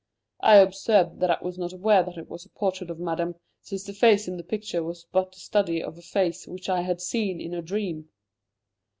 I observed that I was not aware that it was the portrait of Madame, since the face in the picture was but the study of a face which I had seen in a dream."